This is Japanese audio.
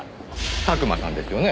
佐久間さんですよね。